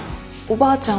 ばあちゃん。